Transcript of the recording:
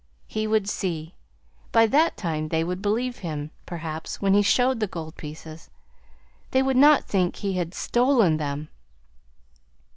He would see. By that time they would believe him, perhaps, when he showed the gold pieces. They would not think he had STOLEN them.